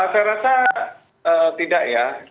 saya rasa tidak ya